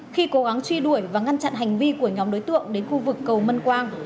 khi cố gắng truy đuổi và ngăn chặn hành vi của nhóm đối tượng đến khu vực cầu mân quang